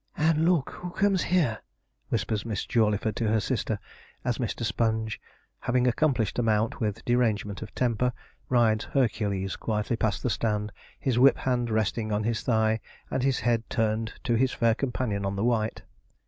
'And look who comes here?' whispers Miss Jawleyford to her sister, as Mr. Sponge, having accomplished a mount without derangement of temper, rides Hercules quietly past the stand, his whip hand resting on his thigh, and his head turned to his fair companion on the white.